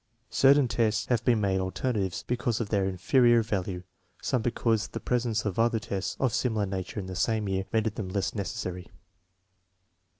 Certain tests have been made alternatives because of their inferior value, some because the presence of other tests of similar nature in the same year rendered them less necessary.